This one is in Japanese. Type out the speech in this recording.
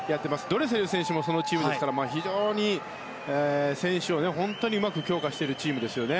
ドレセル選手もそのチームですから非常に選手をうまく強化しているチームですよね。